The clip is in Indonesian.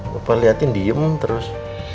lupa liatin diem terus